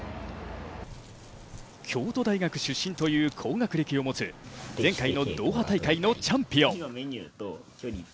京都大学出身という高学歴を持つ前回のドーハ大会のチャンピオン。